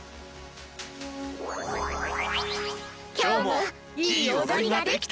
きょうもいいおどりができたね。